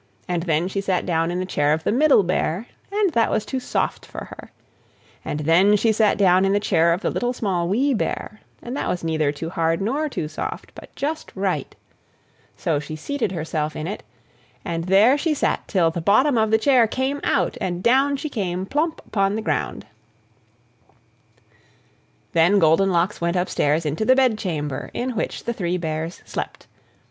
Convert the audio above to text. And then she sat down in the chair of the Middle Bear, and that was too soft for her. And then she sat down in the chair of the Little, Small, Wee Bear, and that was neither too hard nor too soft, but just right. So she seated herself in it, and there she sat till the bottom of the chair came out, and down she came plump upon the ground. Then Goldenlocks went upstairs into the bedchamber in which the three Bears slept.